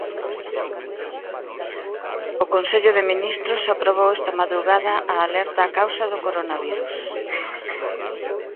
O Consello de Ministros aprobou esta madrugada a alerta a causa do coronavirus.